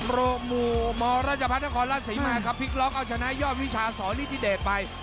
โรคหมู่มรพรศสิมายครับพลิกล็อกเอาชนะยอดวิชาสอนิทธิเดตไป